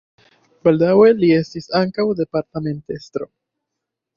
Baldaŭe li estis ankaŭ departementestro.